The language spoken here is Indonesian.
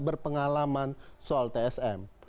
berpengalaman soal tsm